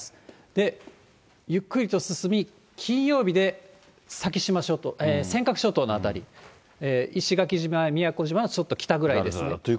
で、ゆっくりと進み、金曜日で先島諸島、尖閣諸島の辺り、石垣島や宮古島のちょっと北ぐらいですね。